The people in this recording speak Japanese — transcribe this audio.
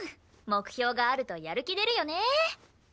目標があるとやる気出るよね。